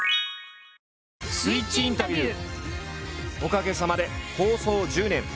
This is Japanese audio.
「ＳＷＩＴＣＨインタビュー」おかげさまで放送１０年。